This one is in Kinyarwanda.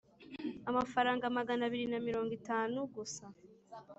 Amafaranga magana abiri na mirongo itanu gusa